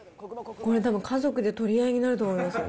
これ、たぶん、家族で取り合いになると思いますよ。